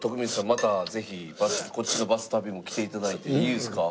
またぜひこっちのバス旅も来て頂いていいですか？